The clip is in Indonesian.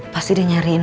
pasti dia nyariin